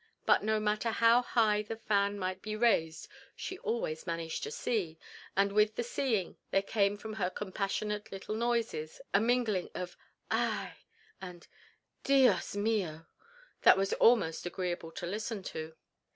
But no matter how high the fan might be raised she always managed to see, and with the seeing there came from her compassionate little noises, a mingling of "ay" and "Dios mio," that was most agreeable to listen to.